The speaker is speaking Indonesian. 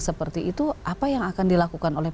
seperti itu apa yang akan dilakukan oleh